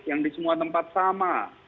yang di semua tempat sama